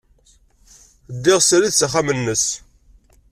Ddiɣ srid s axxam-nnes.